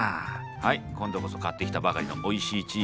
はい今度こそ買ってきたばかりのおいしいチーズ。